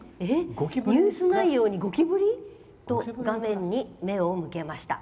ニュース内容にゴキブリ？と画面に目を向けました。